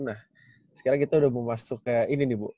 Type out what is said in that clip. nah sekarang kita udah mau masuk ke ini nih bu